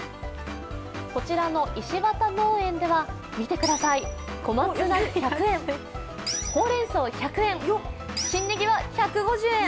こちらの石渡農園では、見てください、小松菜１００円、ほうれんそう１００円、新ねぎは１５０円。